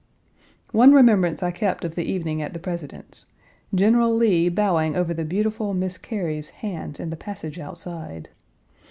One remembrance I kept of the evening at the President's: General Lee bowing over the beautiful Miss Cary's hands in the passage outside.